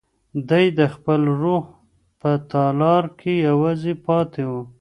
دی د خپل روح په تالار کې یوازې پاتې و.